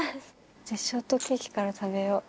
じゃあ、ショートケーキから食べよう。